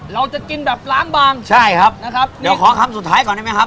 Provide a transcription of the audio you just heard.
เราจะกินแบบล้างบางใช่ครับนะครับนี่ขอคำสุดท้ายก่อนได้ไหมครับ